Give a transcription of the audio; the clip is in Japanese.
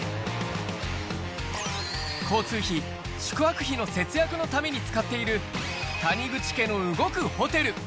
交通費、宿泊費の節約のために使っている、谷口家の動くホテル。